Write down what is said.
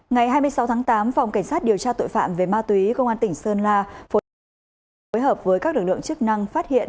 ngày hai mươi sáu tháng tám phòng cảnh sát điều tra tội phạm về ma túy công an tỉnh sơn la phối hợp với các lực lượng chức năng phát hiện